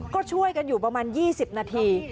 ก็ช่วยกันอยู่ประมาณ๒๐นาที